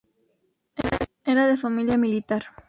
Era de familia militar.